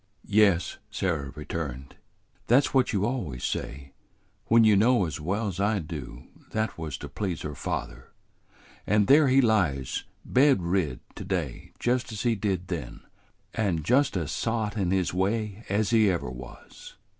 "Yes," Sarah returned; "that's what you always say, when you know as well 's I do that that was to please her father; and there he lies bed rid to day just as he did then, and just as sot in his way as ever he was."